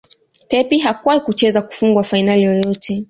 Pep hakuwahi kucheza kufungwa fainali yoyote